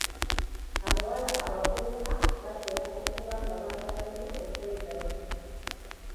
Abawala abavubuka batera okuba nga baagala nnyo okwegatta.